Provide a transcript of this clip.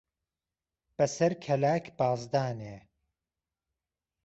بهسهر کەلاک باز دانێ